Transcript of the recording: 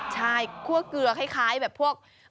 ใช่คั่วเกลือคล้ายแบบพวก